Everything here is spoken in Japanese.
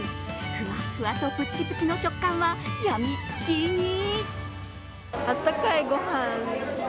ふわふわとプチプチの食感はやみつきに。